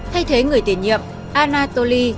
thay thế người tiền nhiệm anatoly